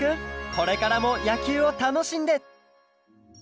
これからもやきゅうをたのしんで！